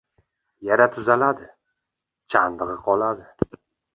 • Yara tuzaladi, chandig‘i qoladi.